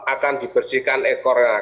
akan dibersihkan ekornya